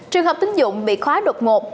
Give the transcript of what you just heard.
trường hợp tín dụng bị khóa đột ngột